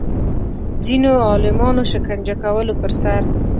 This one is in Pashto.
ځینو عالمانو شکنجه کولو پر سر